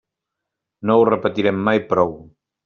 No ho repetirem mai prou.